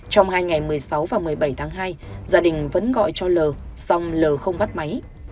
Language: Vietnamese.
trong hai ngày một mươi sáu và một mươi bảy tháng hai gia đình vẫn gọi cho l song l l không bắt máy